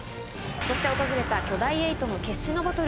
そして訪れた巨大エイとの決死のバトル。